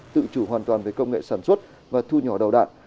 tự chủ hoàn toàn về công nghệ sản xuất và thu nhỏ đầu đạn